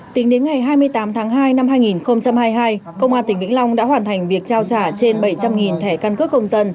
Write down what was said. tính đến ngày hai mươi tám tháng hai năm hai nghìn hai mươi hai công an tỉnh vĩnh long đã hoàn thành việc trao trả trên bảy trăm linh thẻ căn cước công dân